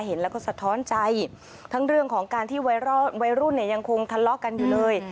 เห็นแล้วก็สะท้อนใจทั้งเรื่องของการที่วัยรุ่นเนี่ยยังคงทะเลาะกันอยู่เลย